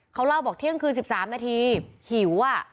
เขาเล่าบอกเที่ยงคืน๑๓นาทีหิว